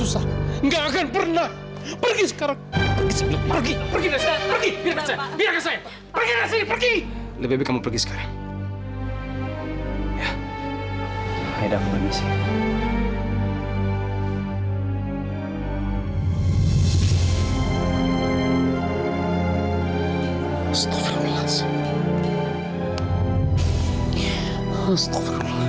saya baik baik stiefan